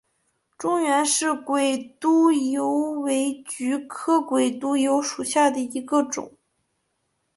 中原氏鬼督邮为菊科鬼督邮属下的一个种。